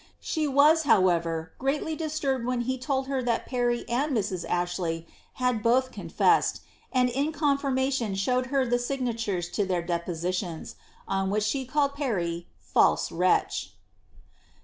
She was, how ever, greatly disturbed when he told her that Parry and Mrs. Ashley had both confessed, and in confirmation showed her the signatures to their depositions; on which she called Parry ^ false wretch."'